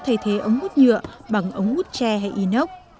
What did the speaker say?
thay thế ống hút nhựa bằng ống hút tre hay inox